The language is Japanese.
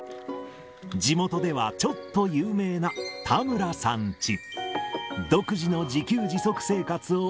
地元ではちょっと有名な田村さんチ。